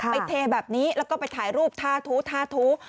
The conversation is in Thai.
ไปเทแบบนี้แล้วก็ไปถ่ายรูปทาทู